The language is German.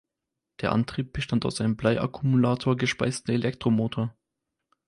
Der Antrieb bestand aus einem Bleiakkumulator-gespeisten Elektromotor.